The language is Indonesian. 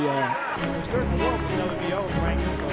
di setiap dunia